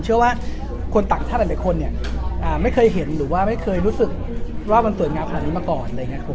เชื่อว่าคนต่างชาติหลายคนเนี่ยไม่เคยเห็นหรือว่าไม่เคยรู้สึกว่ามันสวยงามขนาดนี้มาก่อนอะไรอย่างนี้